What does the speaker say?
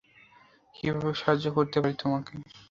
কীভাবে সাহায্য করতে পারি তোমাকে?